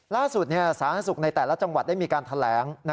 ล่าสุดสาธารณสุขในแต่ละจังหวัดได้มีการแถลง